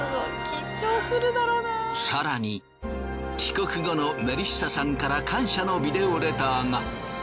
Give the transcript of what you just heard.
更に帰国後のメリッサさんから感謝のビデオレターが。